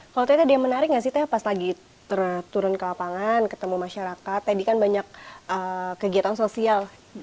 kalau teh ada yang menarik nggak sih teh pas lagi turun ke lapangan ketemu masyarakat tadi kan banyak kegiatan sosial